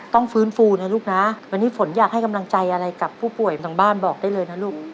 ต้องฟื้นฟูนะลูกนะวันนี้ฝนอยากให้กำลังใจอะไรกับผู้ป่วยทางบ้านบอกได้เลยนะลูก